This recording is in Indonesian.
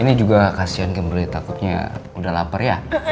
ini juga kasihan kimberly takutnya udah lapar ya